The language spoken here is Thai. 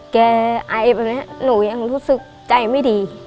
ไอแบบนี้หนูยังรู้สึกใจไม่ดี